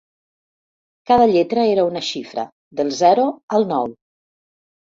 Cada lletra era una xifra, del zero al nou.